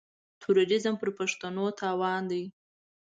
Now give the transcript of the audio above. تروريزم پر پښتنو تاوان دی.